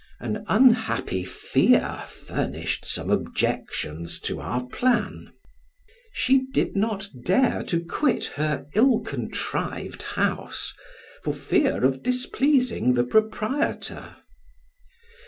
An unhappy fear furnished some objections to our plan: she did not dare to quit her ill contrived house, for fear of displeasing the proprietor.